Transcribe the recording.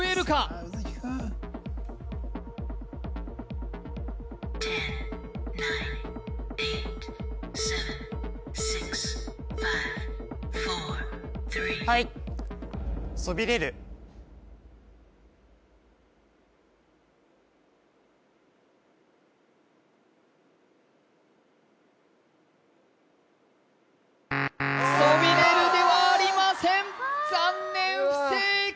さあ卯月くんはいそびれるではありません残念不正解